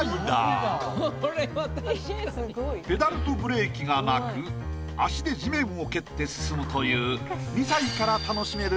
ペダルとブレーキがなく足で地面を蹴って進むという２歳から楽しめる。